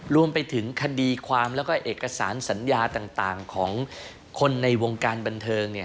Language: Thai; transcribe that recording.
รวมไปถึงคดีความแล้วก็เอกสารสัญญาต่างของคนในวงการบันเทิง